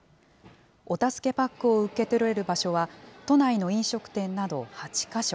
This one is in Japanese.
お助けパックを受け取れる場所は、都内の飲食店など８か所。